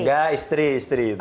enggak istri istri itu